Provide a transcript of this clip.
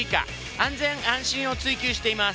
安全安心を追求しています。